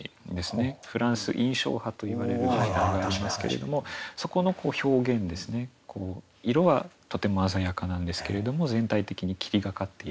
フランス印象派といわれるものがありますけれどもそこの表現ですね色はとても鮮やかなんですけれども全体的に霧がかっているような。